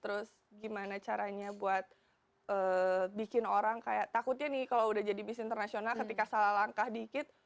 terus gimana caranya buat bikin orang kayak takutnya nih kalau udah jadi bis internasional ketika salah langkah dikit